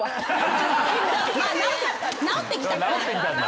直ってきた。